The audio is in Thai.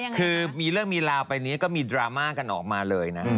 คือมีเรื่องมีราวไปนี้ก็มีดราม่ากันออกมาเลยนะ